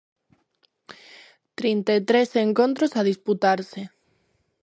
Trinta e tres encontros a disputarse.